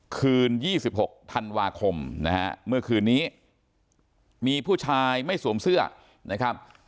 คืน๒๖ธันวาคมนะฮะเมื่อคืนนี้มีผู้ชายไม่สวมเสื้อนะครับ